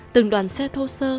từng đoàn xe thô sơ